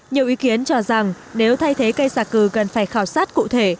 nhiều ý kiến cho rằng nếu thay thế cây xà cừ cần phải khảo sát cụ thể